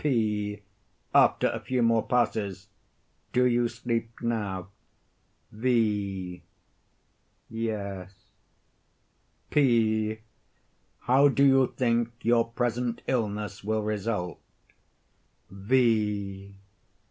P. [After a few more passes.] Do you sleep now? V. Yes. P. How do you think your present illness will result? _V.